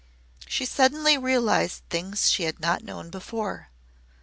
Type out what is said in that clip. She suddenly realized things she had not known before.